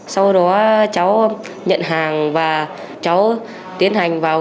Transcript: sau đó cháu nhận hàng và cháu tiến hành vào